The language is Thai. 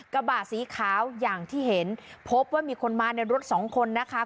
กระบะสีขาวอย่างที่เห็นพบว่ามีคนมาในรถสองคนนะคะ